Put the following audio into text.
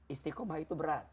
istikomah itu berat